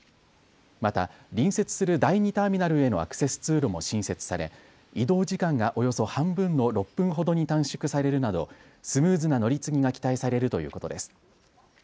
また隣接する第２ターミナルへのアクセス通路も新設され移動時間がおよそ半分の６分ほどに短縮されるなどスムーズな乗り継ぎが期待されるということです。